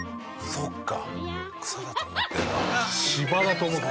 そっか。